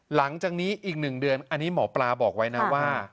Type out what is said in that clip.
หลังจากนี้อีก๑เดือนอันนี้หมอปลาบอกไว้นะว่า